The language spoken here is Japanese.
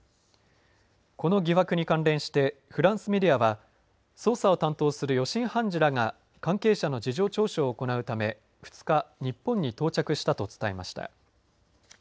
この疑惑に関連してフランスメディアは捜査を担当する予審判事らが関係者の事情聴取を行うため２日、日本に到着したと伝えました。